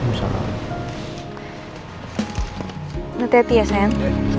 ini teddy ya sayang